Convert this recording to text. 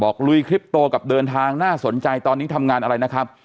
ลุยคลิปโตกับเดินทางน่าสนใจตอนนี้ทำงานอะไรนะครับ